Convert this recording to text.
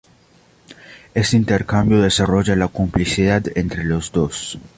Este intercambio desarrolla la complicidad entre los dos.